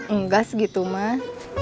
enggak segitu mah